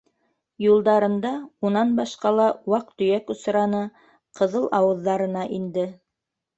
Юлдарында унан башҡа ла ваҡ-төйәк осраны, ҡыҙыл ауыҙҙарына инде.